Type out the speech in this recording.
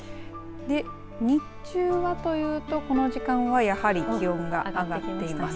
日中はというとこの時間はやはり気温が上がってきています。